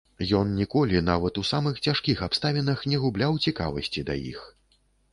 Ён ніколі, нават у самых цяжкіх абставінах, не губляў цікавасці да іх.